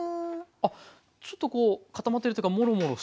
あっちょっとこう固まってるというかもろもろしてますね。